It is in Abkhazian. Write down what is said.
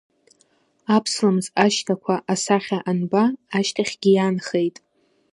Аԥслымӡ ашьҭақәа, асахьа анба ашьҭахьгьы иаанхеит.